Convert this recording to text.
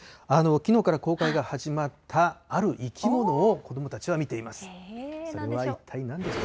きのうから公開が始まったある生き物を子どもたちは見ています。